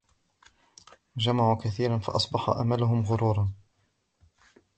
وَجَمَعُوا كَثِيرًا فَأَصْبَحَ أَمَلُهُمْ غُرُورًا